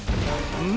うん？